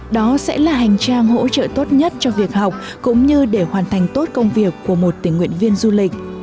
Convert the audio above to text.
đó sẽ là hành trang hỗ trợ tốt nhất cho việc học cũng như để hoàn thành tốt công việc của một tình nguyện viên du lịch